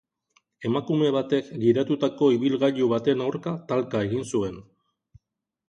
Emakume batek gidatutako ibilgailu baten aurka talka egin zuen.